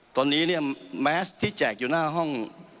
ตอนนี้เนี่ยแมสที่แจกอยู่หน้าห้อง